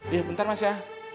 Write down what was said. iya bentar mas ya